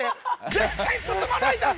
全然進まないじゃん！